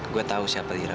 gue tau siapa lira